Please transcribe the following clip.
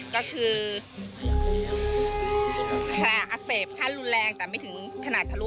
ก็คืออักเสบขั้นรุนแรงแต่ไม่ถึงขนาดทะลุ